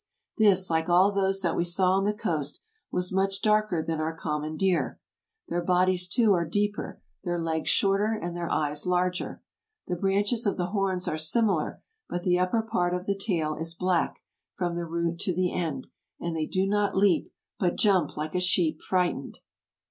This, like all those that we saw on the coast, was much darker than our common deer. Their bodies, too, are deeper, their legs shorter, and their eyes larger. The branches of the horns are similar, but the upper part of the tail is black, from the root to the end, and they do not leap, but jump like a sheep frightened."